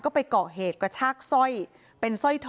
ก็ไปก่อเหตุกระชากสร้อย